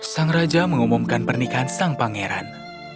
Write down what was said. sang raja mengumumkan pernikahan sang pangeran